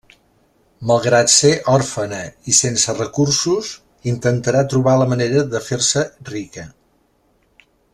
Malgrat ser òrfena i sense recursos intentarà trobar la manera de fer-se rica.